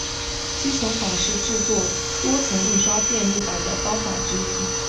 积层法是制作多层印刷电路板的方法之一。